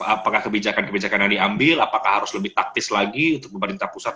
apakah kebijakan kebijakan yang diambil apakah harus lebih taktis lagi untuk pemerintah pusat